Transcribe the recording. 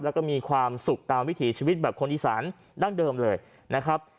แล้วก็มีความสุขตามวิถีชีวิตแบบคนอีสานดั้งเดิมเลยนะครับ